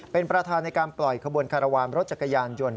เป็นประธานในการปล่อยขบวนคารวาลรถจักรยานยนต์